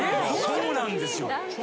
そうなんですよ。